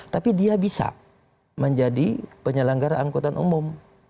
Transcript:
tapi dia bisa menjadi penyelenggara angkutan umum